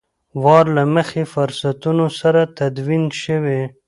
وار له مخکې فرضونو سره تدوین شوي.